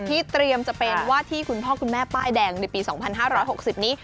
เตรียมจะเป็นว่าที่คุณพ่อคุณแม่ป้ายแดงในปี๒๕๖๐นี้